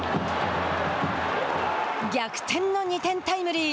逆転の２点タイムリー。